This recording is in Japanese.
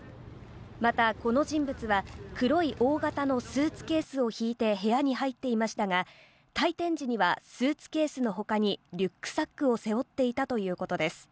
またこの人物は黒い大型のスーツケースを引いて部屋に入っていましたが、退店時にはスーツケースの他にリュックサックを背負っていたということです。